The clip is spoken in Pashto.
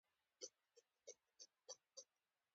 لمسی له نیکه سره جومات ته ځي.